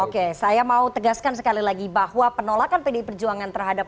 oke saya mau tegaskan sekali lagi bahwa penolakan pdi perjuangan terhadap